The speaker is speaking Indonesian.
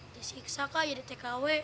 dari siksa kak jadi tkw